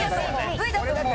Ｖだと思う。